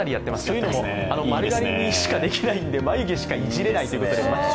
丸刈りにしかできないのでまゆげしか、いじれないということで。